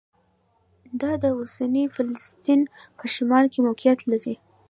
دا د اوسني فلسطین په شمال کې موقعیت لري.